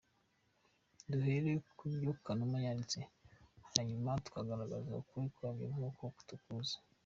Duhera kubyo Kanuma yanditse, hanyuma tukagaragaza ukuri kwabyo nk’uko tukuzi.